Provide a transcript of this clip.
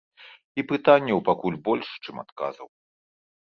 І пытанняў пакуль больш, чым адказаў.